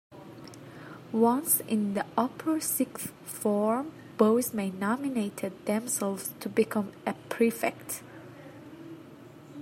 Once in the upper sixth form, boys may nominate themselves to become a prefect.